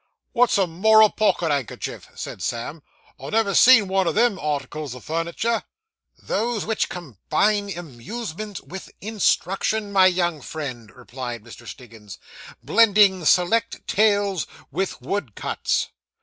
'What's a moral pocket ankercher?' said Sam; 'I never see one o' them articles o' furniter.' 'Those which combine amusement With instruction, my young friend,' replied Mr. Stiggins, 'blending select tales with wood cuts.